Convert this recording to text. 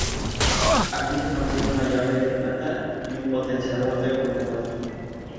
Aquí se consigue una Llave de Plata y un Potenciador de Voluntad.